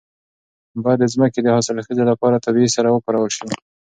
باید د ځمکې د حاصلخیزۍ لپاره طبیعي سره وکارول شي.